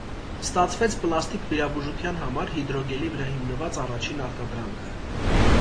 Ստացվեց պլաստիկ վիրաբուժության համար հիդրոգելի վրա հիմնված առաջին արտադրանքը։